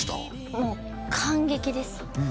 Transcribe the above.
もう感激です